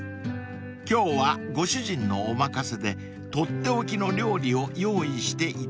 ［今日はご主人のお任せでとっておきの料理を用意していただきます］